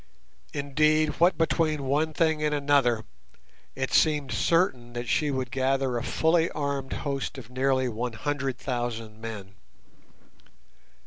Indeed, what between one thing and another, it seemed certain that she would gather a fully armed host of nearly one hundred thousand men.